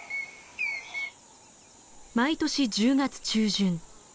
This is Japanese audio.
毎年１０月中旬